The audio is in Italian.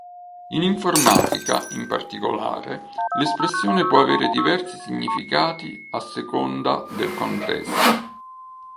In informatica, in particolare, l'espressione può avere diversi significati a seconda del contesto.